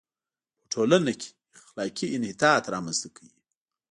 په ټولنه کې اخلاقي انحطاط را منځ ته کوي.